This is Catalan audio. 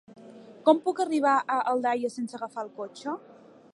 Com puc arribar a Aldaia sense agafar el cotxe?